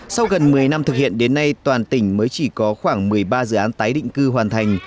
sau gần một mươi năm thực hiện đến nay toàn tỉnh mới chỉ có khoảng một mươi ba dự án tái định cư hoàn thành